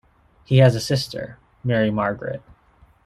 He has a sister, Mary Margaret.